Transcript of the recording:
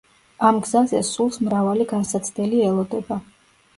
ამ გზაზე სულს მრავალი განსაცდელი ელოდება.